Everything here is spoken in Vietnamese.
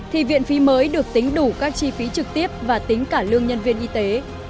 thì viện phí mới được tính đủ các chi phí trực tiếp và tính cả lương nhân viên y tế